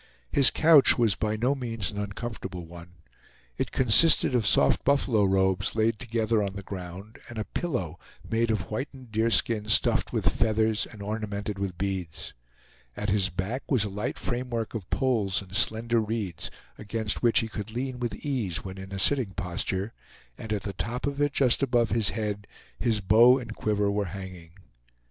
His couch was by no means an uncomfortable one. It consisted of soft buffalo robes laid together on the ground, and a pillow made of whitened deerskin stuffed with feathers and ornamented with beads. At his back was a light framework of poles and slender reeds, against which he could lean with ease when in a sitting posture; and at the top of it, just above his head, his bow and quiver were hanging.